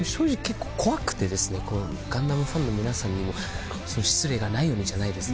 ガンダムファンの皆さんにも失礼がないようにじゃないですけど。